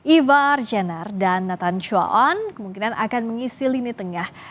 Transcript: ivar jenner dan nathan chua on kemungkinan akan mengisi lini tengah